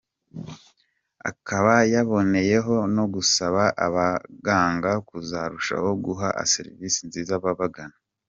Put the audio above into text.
Akaba yaboneyeho no gusaba abaganga kuzarushaho guha service nziza ababagana.